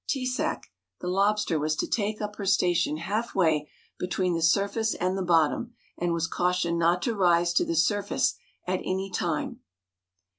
T'sāk, the Lobster, was to take up her station half way between the surface and the bottom, and was cautioned not to rise to the surface at any time.